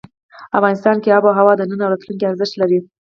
افغانستان کې آب وهوا د نن او راتلونکي ارزښت لري.